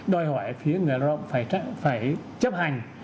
đòi hỏi phía người lao động phải chấp hành